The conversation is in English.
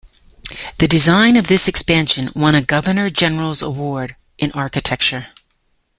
The design of this expansion won a Governor General's Award in Architecture.